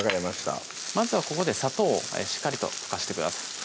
まずはここで砂糖をしっかりと溶かしてください